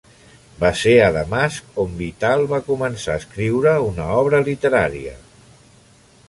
Va ser a Damasc on Vital va començar a escriure una obra literària.